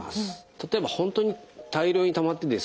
例えば本当に大量にたまってですね